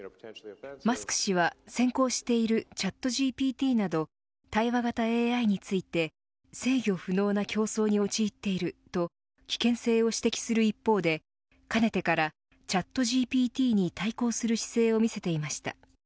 マスク氏は、先行しているチャットＧＰＴなど対話型ＡＩについて制御不能な競争に陥っていると危険性を指摘する一方でかねてから、チャットＧＰＴに対抗する姿勢を見せていました。